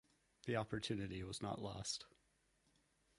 The opportunity was not lost.